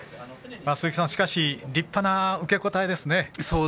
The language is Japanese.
鈴木さん、しかし立派な受け答えですね。